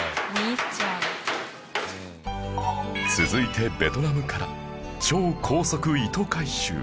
続いてベトナムから超高速糸回収